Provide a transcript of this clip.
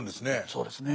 そうですね。